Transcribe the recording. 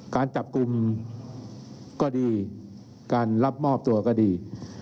การจับกลุ่มก็ดีการรับมอบตัวก็ดี